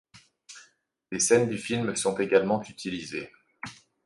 Des scènes du film sont également utilisées.